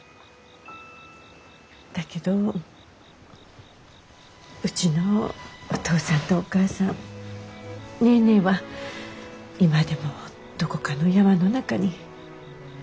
だけどうちのお父さんとお母さんネーネーは今でもどこかの山の中に。